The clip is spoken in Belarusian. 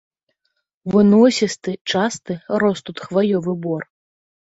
Выносісты, часты рос тут хваёвы бор.